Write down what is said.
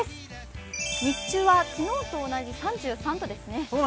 日中は昨日と同じ３３度ですね。